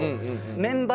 メンバー